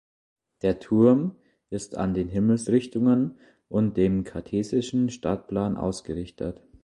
Der Turm ist an den Himmelsrichtungen und dem kartesischen Stadtplan ausgerichtet.